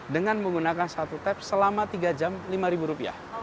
dengan menggunakan satu tap selama tiga jam rp lima